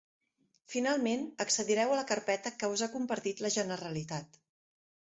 Finalment, accedireu a la carpeta que us ha compartit la Generalitat.